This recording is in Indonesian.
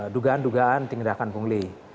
dugaan dugaan tindakan punggli